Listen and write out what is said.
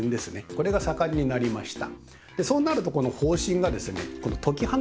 これが盛んになりました。